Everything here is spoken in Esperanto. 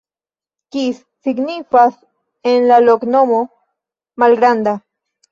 Kis signifas en la loknomo: malgranda.